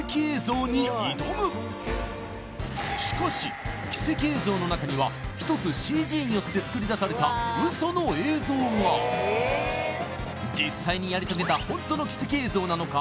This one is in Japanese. しかし奇跡映像の中には１つＣＧによってつくり出されたウソの映像が実際にやり遂げたホントの奇跡映像なのか？